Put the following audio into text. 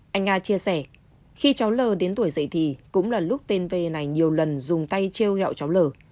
anh a chia sẻ khi cháu l đến tuổi dậy thì cũng là lúc tên v này nhiều lần dùng tay treo gạo cháu l